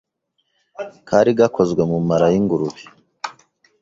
Kari gakozwe mu mara y’ingurube